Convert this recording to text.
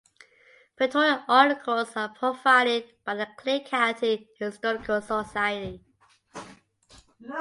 Pictorial articles are provided by the Clay County Historical Society.